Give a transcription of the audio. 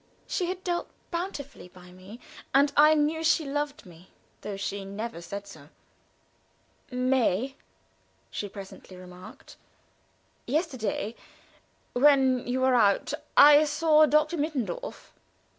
She had dealt bountifully by me, and I knew she loved me, though she never said so. "May," she presently remarked, "yesterday, when you were out, I saw Doctor Mittendorf."